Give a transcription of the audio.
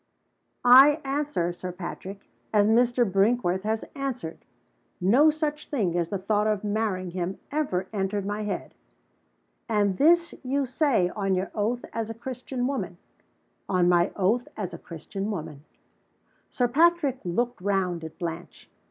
"I answer, Sir Patrick, as Mr. Brinkworth has answered. No such thing as the thought of marrying him ever entered my head." "And this you say, on your oath as a Christian woman?" "On my oath as a Christian woman." Sir Patrick looked round at Blanche.